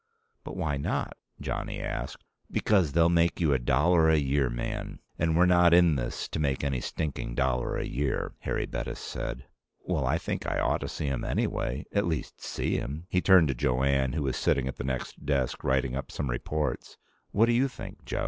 "But why not?" Johnny asked. "Because they'll make you a dollar a year man and we're not in this to make any stinking dollar a year," Harry Bettis said. "Well, I think I ought to see him, anyway. At least see him." He turned to Jo Anne, who was sitting at the next desk, writing up some reports. "What do you think, Jo?"